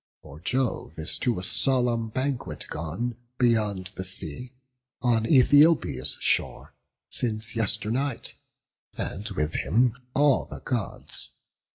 For Jove is to a solemn banquet gone Beyond the sea, on Æthiopia's shore, Since yesternight; and with him all the Gods.